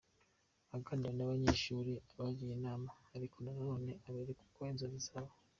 akaganira n'abanyeshuri abagira inama ariko nanone abereka uko inzozi zabo